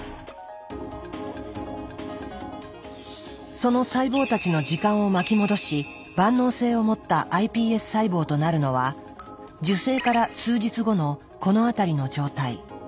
その細胞たちの時間を巻き戻し万能性を持ったｉＰＳ細胞となるのは受精から数日後のこの辺りの状態。